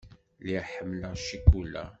Lliɣ ḥemmleɣ ccikula.